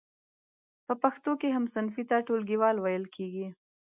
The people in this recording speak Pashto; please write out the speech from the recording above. په پښتو کې هم صنفي ته ټولګیوال ویل کیږی.